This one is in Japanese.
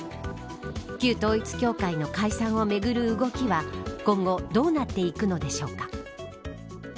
旧統一教会の解散をめぐる動きは今後どうなっていくのでしょうか。